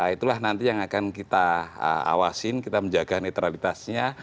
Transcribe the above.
itulah nanti yang akan kita awasin kita menjaga netralitasnya